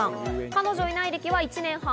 彼女いない歴は１年半。